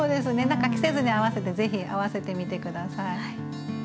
何か季節に合わせてぜひ合わせてみて下さい。